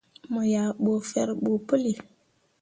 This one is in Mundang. Mo yah ɓu ferɓo puli.